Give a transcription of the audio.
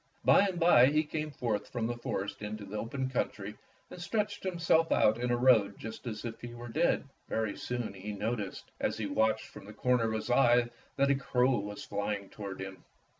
By and by he came forth from the forest into the open country and stretched himself out in a road just as if he were dead. Very'^soon he noticed, as he watched from the corner of his eye, that a crow was flying toward him.